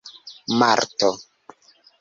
marto